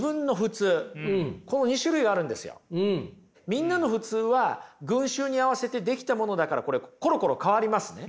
みんなの普通は群衆に合わせて出来たものだからこれコロコロ変わりますね。